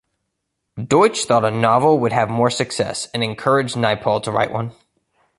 Deutsch thought a novel would have more success, and encouraged Naipaul to write one.